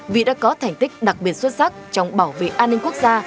vì đã có thành tích đặc biệt xuất sắc trong bảo vệ an ninh quốc gia